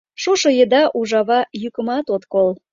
Шошо еда ужава йӱкымат от кол.